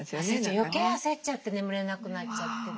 よけい焦っちゃって眠れなくなっちゃってね。